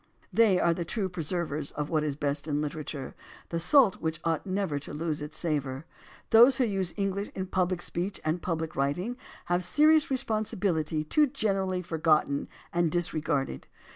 They are the true preservers of what is best in literature, the salt which ought never to lose its savor. Those who use English in pubHc speech and public writing have a serious re sponsibility too generally forgotten and disregarded.